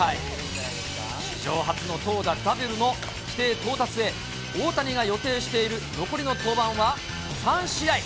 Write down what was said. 史上初の投打ダブルの規定到達へ、大谷が予定している残りの登板は３試合。